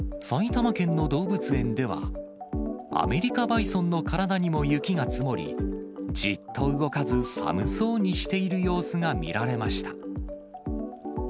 埼玉県の動物園では、アメリカバイソンの体にも雪が積もり、じっと動かず、寒そうにしている様子が見られました。